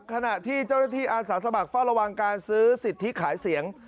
ขณะที่เจ้าหน้าที่อาสาสมัครเฝ้าระวังการซื้อสิทธิขายเสียง